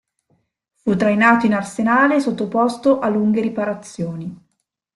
Fu trainato in arsenale e sottoposto a lunghe riparazioni.